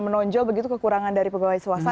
menonjol begitu kekurangan dari pegawai swasta